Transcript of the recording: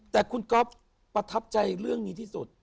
แต่คุณก๊อฟประทับใจเรื่องนี้ที่สุด